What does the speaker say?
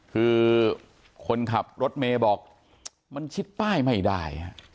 คือคนขับรถเมย์บอกมันชิดป้ายไม่ได้